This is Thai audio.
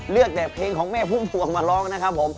เลือกแต่เพลงของแม่พุ่มพวงมาร้องนะครับผม